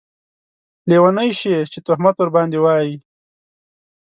لیونۍ شې چې تهمت ورباندې واېې